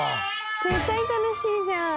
絶対楽しいじゃん。